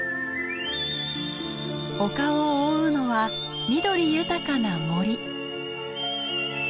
丘を覆うのは緑豊かな森。